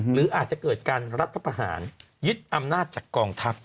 หรืออาจจะเกิดการรัฐประหารยึดอำนาจจากกองทัพ